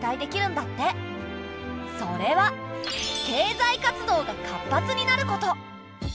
それは経済活動が活発になること。